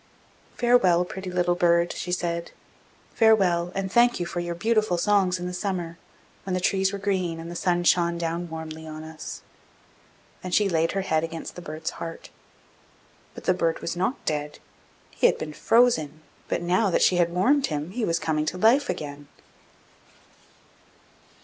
'Farewell, pretty little bird!' she said. 'Farewell, and thank you for your beautiful songs in the summer, when the trees were green, and the sun shone down warmly on us!' Then she laid her head against the bird's heart. But the bird was not dead: he had been frozen, but now that she had warmed him, he was coming to life again.